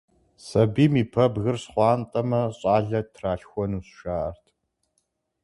Сабийм и пэбгыр щхъуантӀэмэ, щӀалэ тралъхуэнущ, жаӀэрт.